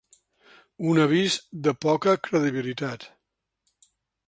Un avís de ‘poca credibilitat’